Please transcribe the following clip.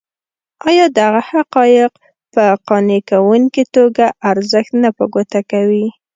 ایا دغه حقایق په قانع کوونکې توګه ارزښت نه په ګوته کوي.